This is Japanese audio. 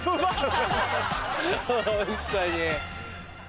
ホントに。